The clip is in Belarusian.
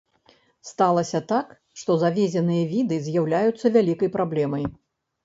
Сталася так, што завезеныя віды з'яўляюцца вялікай праблемай.